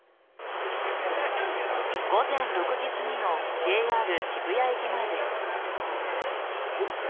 午前６時すぎのＪＲ渋谷駅前です。